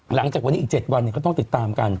หลังจากวันนี้อีก๗วันก็ต้องติดตามกัน